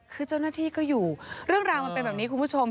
คือเจ้าหน้าที่ก็อยู่เรื่องราวมันเป็นแบบนี้คุณผู้ชม